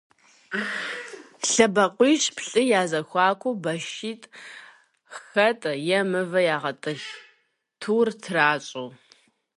Лъэбакъуищ-плӀы я зэхуакуу башитӀ хатӀэ е мывэ ягъэтӀылъ, тур тращӀэу.